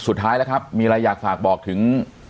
สุดท้ายแล้วครับมีอะไรอยากฝากบอกถึง